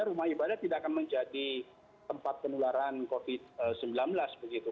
rumah ibadah tidak akan menjadi tempat penularan covid sembilan belas begitu